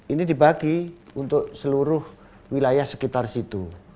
ini dibagi untuk seluruh wilayah sekitar situ